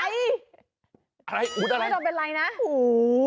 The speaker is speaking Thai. อะไรอู๋อะไรอู๋